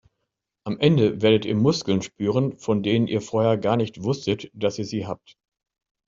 Am Ende werdet ihr Muskeln spüren, von denen ihr vorher gar nicht wusstet, dass ihr sie habt.